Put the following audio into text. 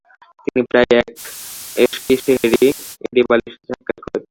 তিনি প্রায়ই এসকিশেহিরে এদিবালির সাথে সাক্ষাত করতেন।